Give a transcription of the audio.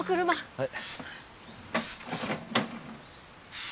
はい。